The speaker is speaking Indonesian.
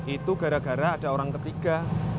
itu gara gara ada orang ketiga